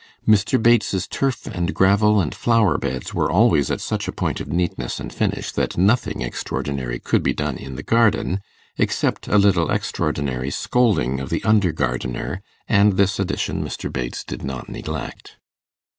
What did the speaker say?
Mr. Bates's turf, and gravel, and flower beds were always at such a point of neatness and finish that nothing extraordinary could be done in the garden, except a little extraordinary scolding of the under gardener, and this addition Mr. Bates did not neglect.